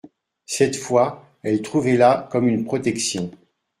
Cette fois, elle trouvait là comme une protection.